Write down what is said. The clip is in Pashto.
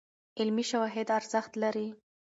علمي شواهد ارزښت لري.